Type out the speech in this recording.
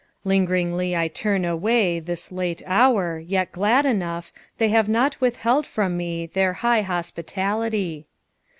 Lingeringly I turn away, This late hour, yet glad enough They have not withheld from me Their high hospitality.